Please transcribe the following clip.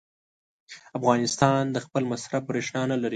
افغانستان د خپل مصرف برېښنا نه لري.